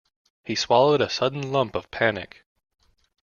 He swallowed a sudden lump of panic.